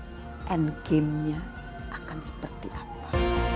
dan game nya akan seperti apa